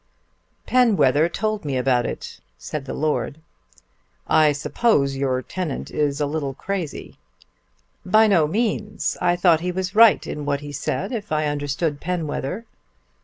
"Penwether told me about it," said the Lord. "I suppose your tenant is a little crazy." "By no means. I thought he was right in what he said, if I understood Penwether."